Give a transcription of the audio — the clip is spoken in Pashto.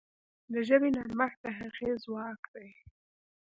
د ژبې نرمښت د هغې ځواک دی.